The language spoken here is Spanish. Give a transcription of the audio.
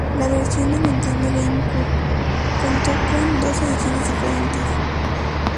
La versión de Nintendo GameCube contó con dos ediciones diferentes.